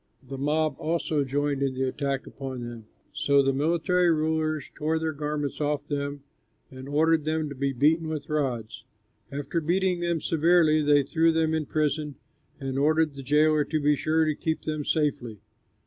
The mob also joined in the attack upon them, so the military rulers tore their garments off them and ordered them to be beaten with rods. After beating them severely, they threw them in prison and ordered the jailer to be sure to keep them safely.